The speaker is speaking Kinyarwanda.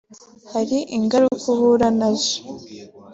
hari ingaruka uhura na zo